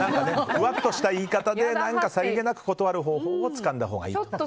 ふわっとした言い方でさりげなく断る言い方もつかんだほうがいいと。